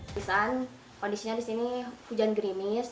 kondisinya di sini hujan gerimis